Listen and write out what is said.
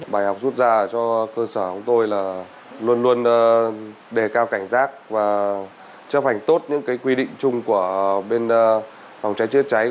bài học rút ra cho cơ sở của tôi là luôn luôn đề cao cảnh giác và chấp hành tốt những quy định chung của bên phòng cháy chữa cháy